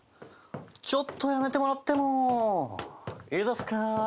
ちょっとやめてもらってもいいですか。